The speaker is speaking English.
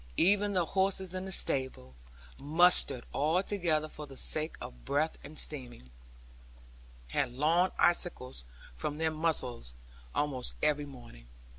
Even the horses in the stables (mustered all together for the sake of breath and steaming) had long icicles from their muzzles, almost every morning.